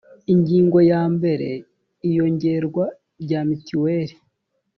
ingingo ya mbere iyongerwa rya mitiweri